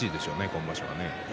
今場所は。